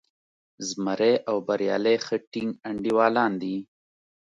زمری او بریالی ښه ټینګ انډیوالان دي.